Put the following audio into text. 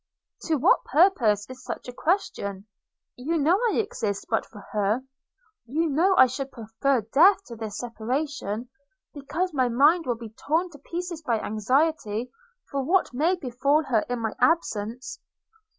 'To what purpose is such a question? You know I exist but for her – you know I should prefer death to this separation, because my mind will be torn to pieces by anxiety for what may befall her in my absence!'